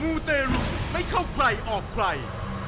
ูเตรุไม่เข้าใครออกใคร